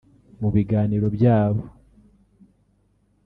Mu biganiro byabo